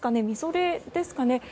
みぞれですかね？